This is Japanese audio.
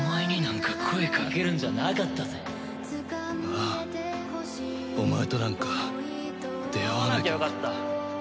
ああお前となんか出会わなきゃよかった。